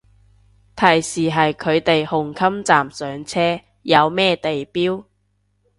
提示係佢哋紅磡站上車，有咩地標